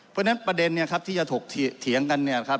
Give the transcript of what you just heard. เพราะฉะนั้นประเด็นเนี่ยครับที่จะถกเถียงกันเนี่ยครับ